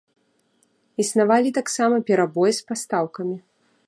Існавалі таксама перабоі з пастаўкамі.